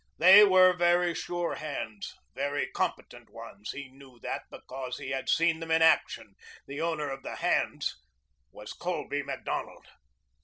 They were very sure hands, very competent ones. He knew that because he had seen them in action. The owner of the hands was Colby Macdonald.